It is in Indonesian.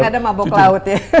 dan tidak ada mabok laut ya